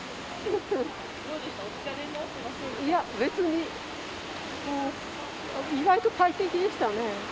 いや別に意外と快適でしたね。